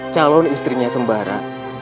calon istrinya sembara